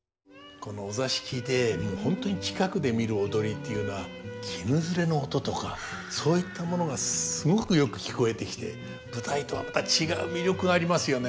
このお座敷で本当に近くで見る踊りっていうのはきぬ擦れの音とかそういったものがすごくよく聞こえてきて舞台とはまた違う魅力ありますよね。